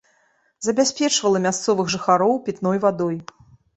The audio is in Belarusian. Забяспечвала мясцовых жыхароў пітной вадой.